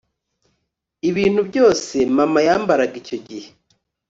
Ibintu byose mama yambaraga icyo gihe